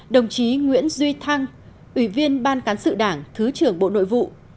đồng chí nguyễn duy thăng ủy viên ban cán sự đảng thứ trưởng bộ nội vụ